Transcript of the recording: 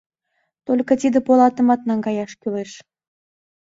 Только тиде полатымат наҥгаяш кӱлеш.